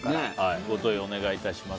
ご投票お願いします。